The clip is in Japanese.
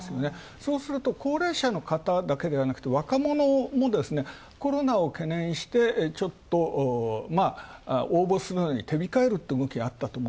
そうすると、高齢者だけでなく、若者も、コロナを懸念して、ちょっと、応募するのに手控えるという動きがあったと思う。